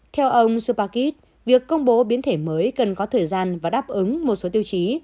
theo ông subakit việc công bố biến thể mới cần có thời gian và đáp ứng một số tiêu chí